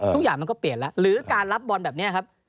ทุกอย่างมันก็เปลี่ยนแล้วหรือการรับบอลแบบนี้ครับ